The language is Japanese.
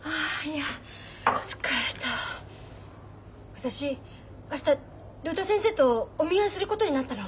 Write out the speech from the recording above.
私明日竜太先生とお見合いすることになったの。